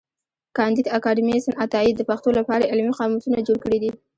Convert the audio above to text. کانديد اکاډميسن عطايي د پښتو له پاره علمي قاموسونه جوړ کړي دي.